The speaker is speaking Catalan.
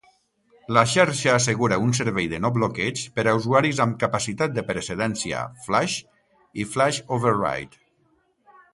La xarxa assegura un servei de no bloqueig per a usuaris amb capacitat de precedència "flash" i "flash override".